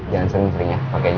jangan seneng sering ya pakenya